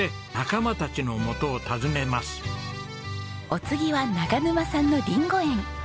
お次は長沼さんのりんご園。